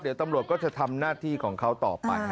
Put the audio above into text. เดี๋ยวตำรวจก็จะทำหน้าที่ของเขาต่อไป